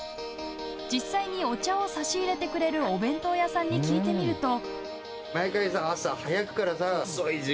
実際にお茶を差し入れてくれるお弁当屋さんに聞いてみると。